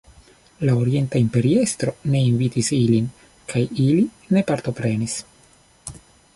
La orienta imperiestro ne invitis ilin kaj ili ne partoprenis.